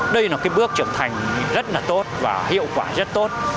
đây là bước trưởng thành rất tốt và hiệu quả rất tốt